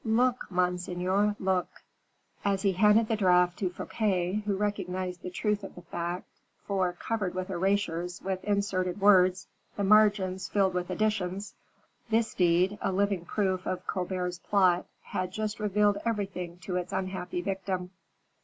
Look, monseigneur, look." And he handed the draft to Fouquet, who recognized the truth of the fact; for, covered with erasures, with inserted words, the margins filled with additions, this deed a living proof of Colbert's plot had just revealed everything to its unhappy victim.